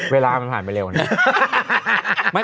เวลามันผ่านไปเร็ววันนี้